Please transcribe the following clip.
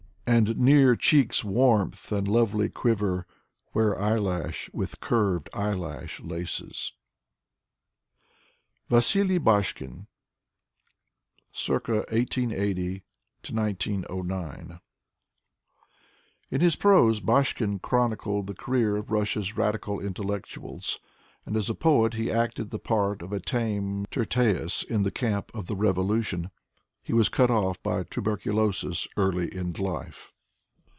And near cheeks' warmth, and lovely quiver Where eyelash with curved eyelash laces. Vasily Bashkin {c. 1880 1909) In his prcfte Bashkin chronicled the career of Russia's radical intellectuals, and as a poet he acted the part of a tame Tirtaeus in the camp of the revolution. He was cut off by tuberculosis early in life.